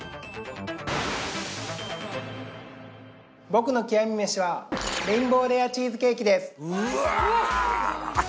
僕の極み飯はレインボーレアチーズケーキです